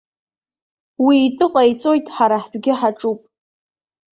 Уи итәы ҟаиҵоит, ҳара ҳтәгьы ҳаҿуп.